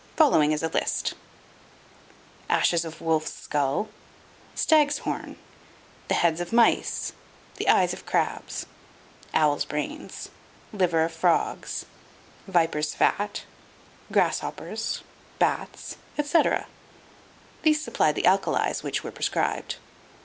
Following is a list: "Ashes of wolf's skull, stag's horn, the heads of mice, the eyes of crabs, owl's brains, liver of frogs, viper's fat, grasshoppers, bats, etc., these supplied the alkalis which were prescribed.